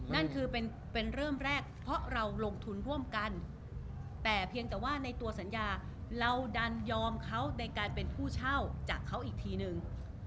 นั่นคือเป็นเริ่มแรกเพราะเราลงทุนร่วมกันแต่เพียงแต่ว่าในตัวสัญญาเราดันยอมเขาในการเป็นผู้เช่าจากเขาอีกทีนึง